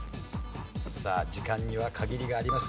さあ時間には限りがあります。